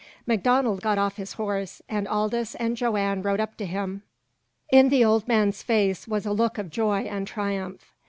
MacDonald got off his horse, and Aldous and Joanne rode up to him. In the old man's face was a look of joy and triumph.